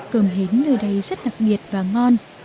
cơm hến nơi đây rất đặc biệt và ngon